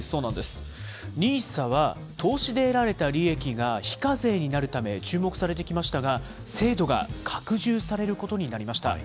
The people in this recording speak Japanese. ＮＩＳＡは、投資で得られた利益が非課税になるため注目されてきましたが、制度が拡充されることになりました。